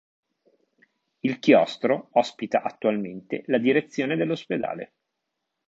Il chiostro ospita attualmente la direzione dell'ospedale.